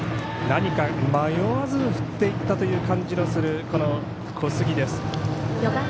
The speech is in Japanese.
何か、迷わず振っていったという感じのする小杉です。